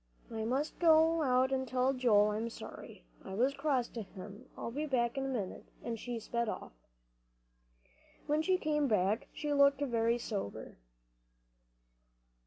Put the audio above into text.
"I must go out and tell Joel I'm sorry. I was cross to him. I'll be back in a minute," and she sped off. When she came back she looked very sober.